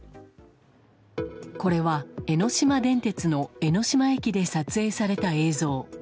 これは、江ノ島電鉄の江ノ島駅で撮影された映像。